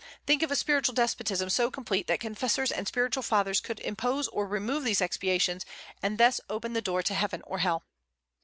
Think of a spiritual despotism so complete that confessors and spiritual fathers could impose or remove these expiations, and thus open the door to heaven or hell!